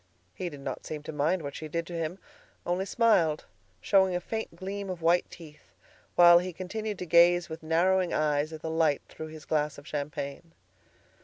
He did not seem to mind what she did to him, only smiled, showing a faint gleam of white teeth, while he continued to gaze with narrowing eyes at the light through his glass of champagne.